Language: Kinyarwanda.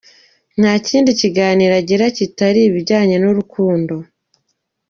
Nta kindi kiganiro agira kitari ibijyanye n’urukundo.